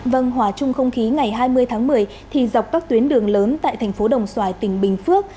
vâng hòa chung không khí ngày hai mươi tháng một mươi thì dọc các tuyến đường lớn tại thành phố đồng xoài tỉnh bình phước